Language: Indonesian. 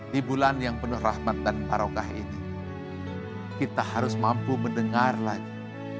di bulan yang penuh rahmat dan barokah ini kita harus mampu mendengar lagi